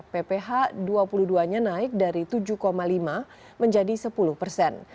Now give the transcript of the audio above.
pph dua puluh dua nya naik dari tujuh lima menjadi sepuluh persen